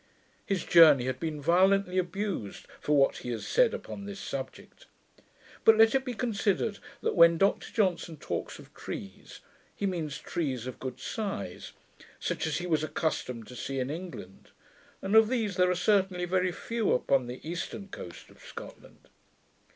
His Journey has been violently abused, for what he has said upon this subject. But let it be considered, that, when Dr Johnson talks of trees, he means trees of good size, such as he was accustomed to see in England; and of these there are certainly very few upon the EASTERN COAST of Scotland.